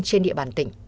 trên địa bàn tỉnh